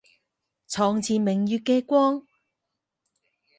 床前明月嘅光